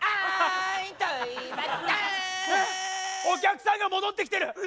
お客さんが戻ってきてる！